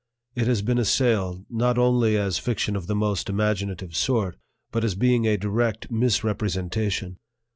It has been assailed, not only as fiction of the most imaginative sort, but as being a direct misrepresentation.